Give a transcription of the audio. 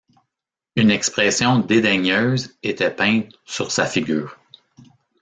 Une expression dédaigneuse était peinte sur sa figure.